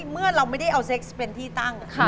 เมื่อเราไม่ได้เอาเซ็กซ์เป็นที่ตั้ง